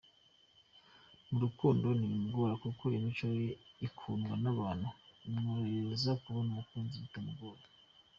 Mu rukundo ntibimugora kuko imico ye ikundwa n’abantu imworohereza kubona umukunzi bitamugoye.